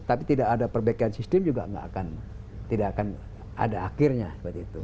tapi tidak ada perbaikan sistem juga tidak akan ada akhirnya seperti itu